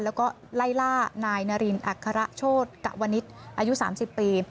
แล้วก็ไล่ล่านายนารินอัคระโชธกะวนิษฐ์อายุ๓๐ปี